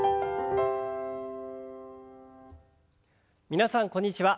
皆さんこんにちは。